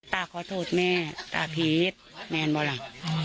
ตาขอโทษแม่ตาพีชแมนบอกล่ะ